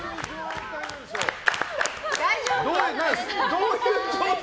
どういう状態？